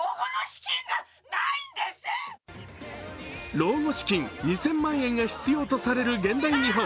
老後資金２０００万円が必要とされる現代日本。